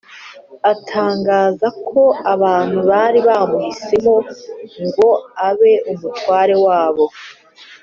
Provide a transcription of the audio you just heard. . Atangaza ko abantu bari bamuhisemo ngo abe umutware wabo